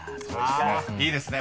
［いいですね。